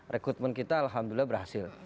rekrutmen kita alhamdulillah berhasil